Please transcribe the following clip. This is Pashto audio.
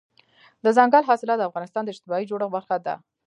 دځنګل حاصلات د افغانستان د اجتماعي جوړښت برخه ده.